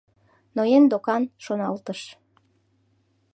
«Ноен докан, — шоналтыш.